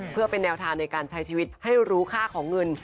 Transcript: เพื่อเป็นแนวทางในการใช้ชีวิตให้รู้ค่าของเงิน